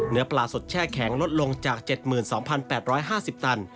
เนื้อปลาสดแช่แข็งลดลงจาก๗๒๘๕๐ตัน